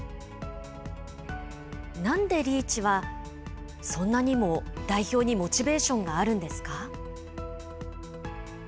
なんでリーチは、そんなにも代表にモチベーションがあるんですか？